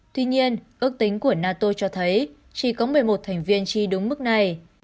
tuy nhiên ước tính của nato cho thấy chỉ có một mươi một thành viên chi đúng mức này